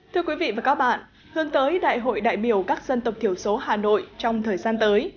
thưa quý vị và các bạn hướng tới đại hội đại biểu các dân tộc thiểu số hà nội trong thời gian tới